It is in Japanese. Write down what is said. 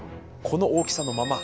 この大きさのまま？